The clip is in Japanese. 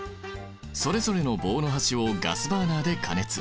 それぞれの棒の端をガスバーナーで加熱。